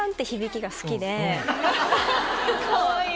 かわいい！